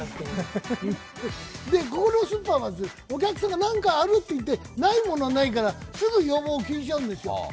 ここのスーパーはお客さんが何かある？って言って、ないものはないから、すぐ要望を聞いちゃうんですよ。